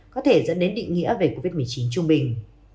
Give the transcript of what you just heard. có thể dẫn đến định nghĩa về covid một mươi chín trung bình